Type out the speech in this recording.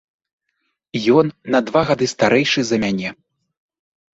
Ён на два гады старэйшы за мяне.